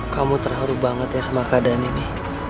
kamu terharu banget ya sama keadaan ini